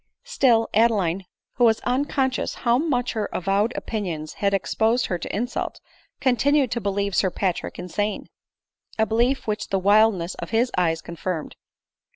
Still, Adeline, who was unconscious how much her avowed opinions had exposed her to insult, continued to believe Sir Patrick insane ; a belief which the wildness of his eyes confirmed.